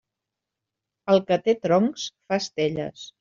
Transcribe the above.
El que té troncs fa estelles.